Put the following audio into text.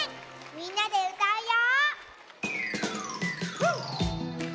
みんなでうたうよ。